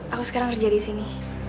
aku sekarang kerja di sini